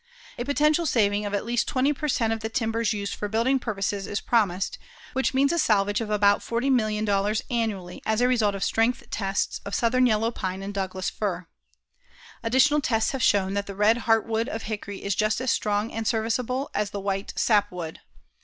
A potential saving of at least 20 per cent. of the timbers used for building purposes is promised, which means a salvage of about $40,000,000 annually as a result of strength tests of southern yellow pine and Douglas fir. Additional tests have shown that the red heartwood of hickory is just as strong and serviceable as the white sap wood.